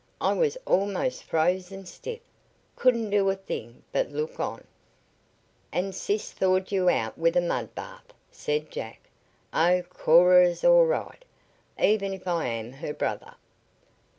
I was almost frozen stiff. Couldn't do a thing but look on." "And sis thawed you out with a mud bath," said Jack. "Oh, Cora's all right, even if I am her brother."